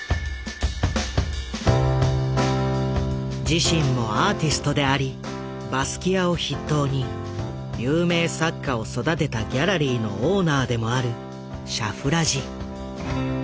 自身もアーティストでありバスキアを筆頭に有名作家を育てたギャラリーのオーナーでもあるシャフラジ。